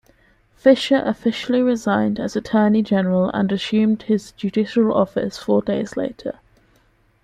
Fisher officially resigned as Attorney General and assumed his judicial office four days later.